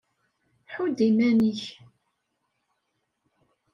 Ḥudd iman-ik!